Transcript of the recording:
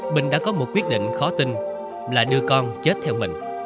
bình đã có một quyết định khó tin là đưa con chết theo mình